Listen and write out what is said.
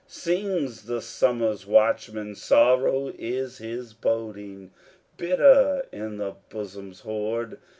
Sings the summer's watchman, sorrow is he boding, Bitter in the bosom's hoard.